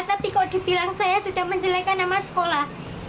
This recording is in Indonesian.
tapi kok dibilang saya sudah menjelekan nama sekolah